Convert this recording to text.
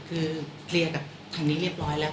คือเคลียร์กับทางนี้เรียบร้อยแล้ว